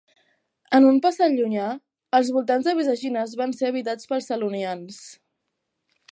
En un passat llunyà, els voltants de Visaginas van ser habitats pels selonians.